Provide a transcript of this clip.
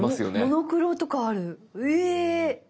モノクロとかあるうぇ！